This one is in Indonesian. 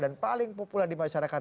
dan paling populer di masyarakat